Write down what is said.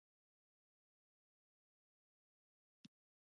دوی هلته اتلولۍ ګټلي دي.